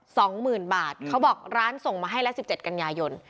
สองหมื่นบาทเขาบอกร้านส่งมาให้ละสิบเจ็ดกันยายน